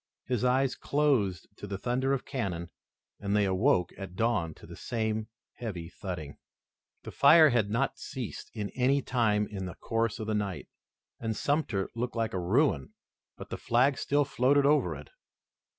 His eyes closed to the thunder of cannon and they awoke at dawn to the same heavy thudding. The fire had not ceased at any time in the course of the night, and Sumter looked like a ruin, but the flag still floated over it.